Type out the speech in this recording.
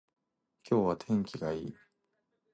今日は天気がいい